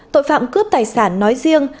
tội phạm cướp tài sản nói riêng